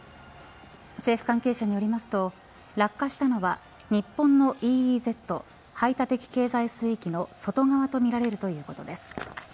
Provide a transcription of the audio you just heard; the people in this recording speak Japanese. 政府関係者によりますと落下したのは日本のＥＥＺ排他的経済水域の外側とみられるということです。